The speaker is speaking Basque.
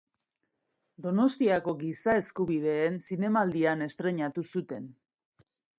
Donostiako Giza Eskubideen Zinemaldian estreinatu zuten.